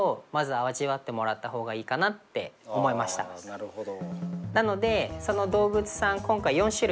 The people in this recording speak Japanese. あなるほど。